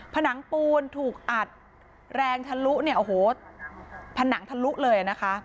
ผนังปูนถูกอัดแรงทะลุเนี่ยโอ้โหผนังทะลุเลยนะคะ